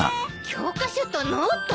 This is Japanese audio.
教科書とノート！？